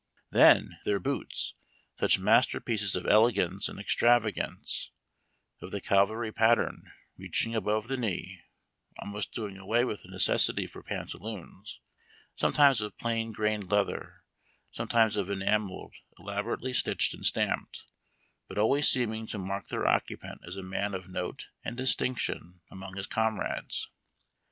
Then, their boots ! such masterpieces of elegance and extravagance I Of the cavalry pattern, reaching above the knee, almost doing away with the necessity for pantaloons, sometimes of plain grained leather, sometimes of enamelled, elaborately stitched and stamped, but always seeming to mark their occupant as a man of note and distinction among his comrades.